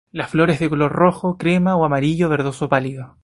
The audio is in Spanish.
Las flores de color rojo, crema o amarillo verdoso pálido.